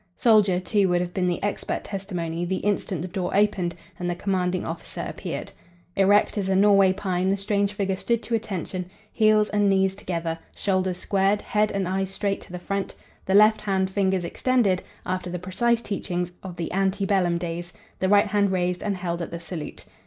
Soldier, too, would have been the expert testimony the instant the door opened and the commanding officer appeared. Erect as a Norway pine the strange figure stood to attention, heels and knees together, shoulders squared, head and eyes straight to the front, the left hand, fingers extended, after the precise teachings of the ante bellum days, the right hand raised and held at the salute.